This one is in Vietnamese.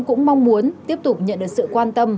cũng mong muốn tiếp tục nhận được sự quan tâm